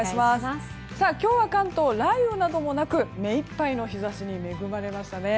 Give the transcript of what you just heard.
今日は関東雷雨などもなくめいっぱいの日差しに恵まれましたね。